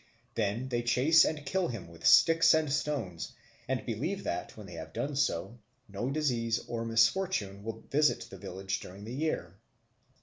They then chase and kill him with sticks and stones, and believe that, when they have done so, no disease or misfortune will visit the village during the year.